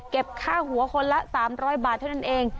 ค่าหัวคนละ๓๐๐บาทเท่านั้นเอง